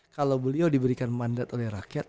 kalau beliau diberikan mandat oleh rakyat